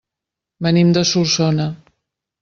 Venim de Solsona.